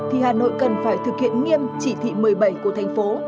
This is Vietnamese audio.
thì hà nội cần phải thực hiện nghiêm chỉ thị một mươi bảy của thành phố